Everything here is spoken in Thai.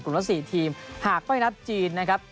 ร่วมแล้ว๔ทีมหากไม่นับจีนนะครับ